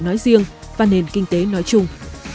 nói riêng và nền kinh tế nói chung